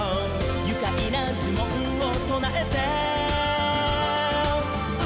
「ゆかいなじゅもんをとなえてウロヤタマ！